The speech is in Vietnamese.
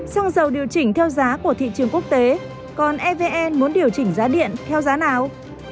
xăng dầu điều chỉnh theo giá của thị trường quốc tế còn evn muốn điều chỉnh giá điện theo giá nào